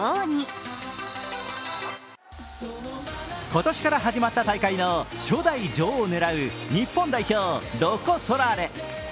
今年から始まった大会の初代女王を狙う日本代表・ロコ・ソラーレ。